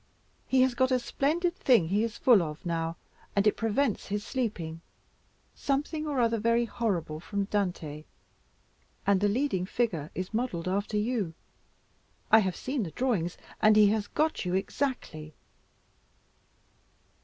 He has got a splendid thing he is full of now, and it prevents his sleeping; something or other very horrible from Dante, and the leading figure is modelled after you. I have seen the drawings, and he has got you exactly."